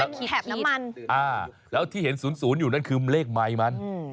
และขีดแล้วที่เห็น๐๐อยู่นั่นคือเลขไม้มัน